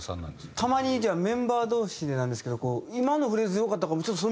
たまにじゃあメンバー同士でなんですけど「今のフレーズ良かったからちょっとそれ